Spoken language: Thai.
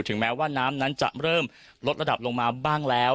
แม้ว่าน้ำนั้นจะเริ่มลดระดับลงมาบ้างแล้ว